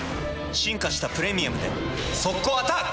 進化した「プレミアム」で速攻アタック！